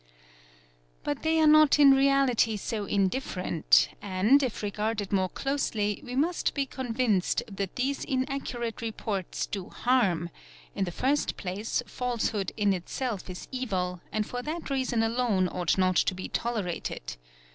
But they are not in reality so indifferent, and, if regarded more closely, 'we must be convinced that these inaccurate reports do harm; in the first 'place falsehood in itself is evil and for that reason alone ovght not to be jlerated.